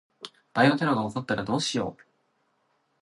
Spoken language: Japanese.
バイオテロが起こったらどうしよう。